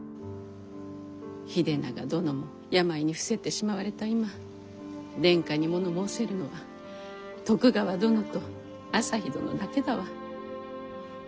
秀長殿も病に伏せってしまわれた今殿下にもの申せるのは徳川殿と旭殿だけだわ。